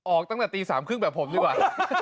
ออกตั้งแต่ตี๓๓๐แบบผมดีกว่า